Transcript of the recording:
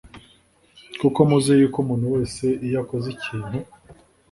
Kuko muzi yuko umuntu wese iyo akoze ikintu